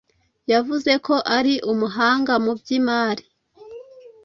Yavuze ko ari umuhanga mu by'imari.